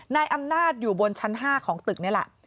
นายอำนาจอยู่บนชั้น๕ของตึกนี่แหละ